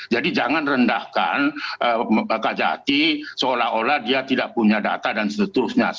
jadi jangan rendahkan kak jati seolah olah dia tidak punya data dan seterusnya